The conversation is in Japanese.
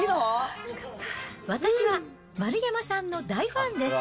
私は丸山さんの大ファンです。